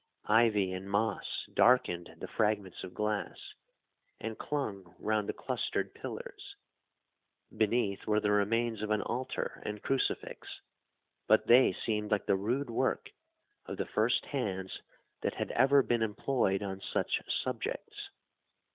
Ivy and moss darkened the fragments of glass, and clung round the clustered pillars. Beneath were the remains of an altar and crucifix, but they seemed like the rude work of the first hands that had ever been employed on such subjects.